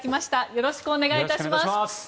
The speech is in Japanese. よろしくお願いします。